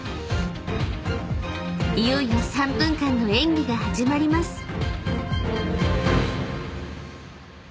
［いよいよ３分間の演技が始まります］